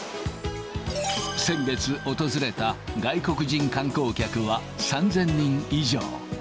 先月、訪れた外国人観光客は３０００人以上。